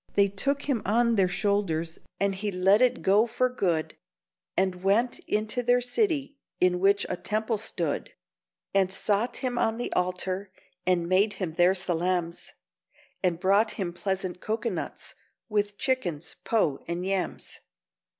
They took him on their shoulders, and he let it go for good, And went into their city in the which a temple stood, And sot him on the altar, and made him their salams, And brought him pleasant coco nuts, with chickens, po and yams.